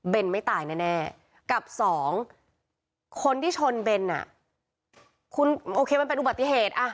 เป็นไม่ตายแน่กับสองคนที่ชนเบนอ่ะคุณโอเคมันเป็นอุบัติเหตุ